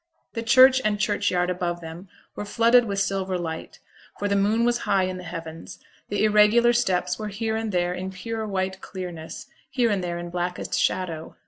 The church and churchyard above them were flooded with silver light, for the moon was high in the heavens: the irregular steps were here and there in pure white clearness, here and there in blackest shadow.